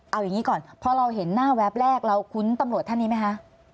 เอาอย่างนี้ก่อนพอเราเห็นหน้าแวบแรกเราคุ้นตำรวจท่านนี้ไหมคะ